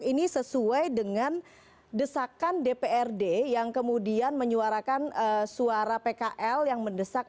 ini sesuai dengan desakan dprd yang kemudian menyuarakan suara pkl yang mendesak